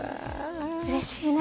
うれしいな。